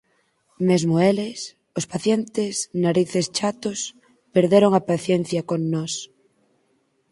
Mesmo eles, os pacientes Narices Chatos, perderon a paciencia con nós.